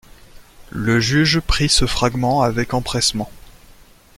Le juge prit ce fragment avec empressement.